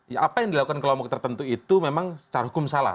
ya apa yang dilakukan kelompok tertentu itu memang secara hukum salah